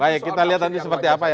baik kita lihat nanti seperti apa ya